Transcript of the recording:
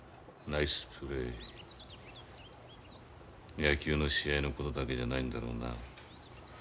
野球の試合のことだけじゃないんだろうな。